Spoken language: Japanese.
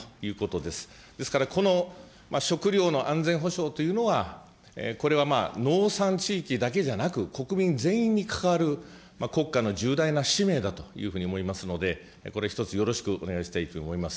ですから、この食料の安全保障というのは、これはまあ、農産地域だけじゃなく、国民全員に関わる国家の重大な使命だというふうに思いますので、これ、一つよろしくお願いしたいというふうに思います。